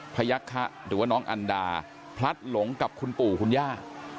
พยักษะหรือว่าน้องอันดาพลัดหลงกับคุณปู่คุณย่า